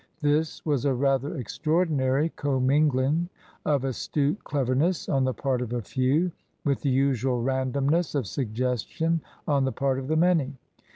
This was a rather extraordinary commingling of astute clever ness on the part of a few with the usual randomness of suggestion on the part of the many.